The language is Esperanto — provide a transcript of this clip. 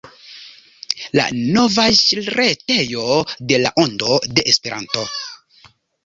La novaĵretejo de La Ondo de Esperanto.